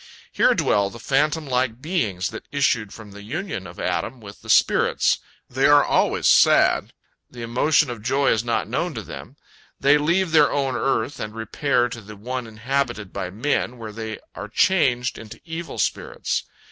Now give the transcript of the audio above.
Here dwell the phantom like beings that issued from the union of Adam with the spirits. They are always sad; the emotion of joy is not known to them. They leave their own earth and repair to the one inhabited by men, where they are changed into evil spirits.